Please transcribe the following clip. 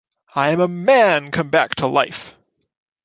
I am a man come back to life.